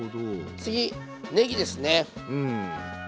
次ねぎですね。